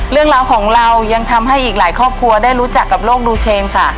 เรื่องราวของเรายังทำให้อีกหลายครอบครัวได้รู้จักกับโลกดูเชนค่ะ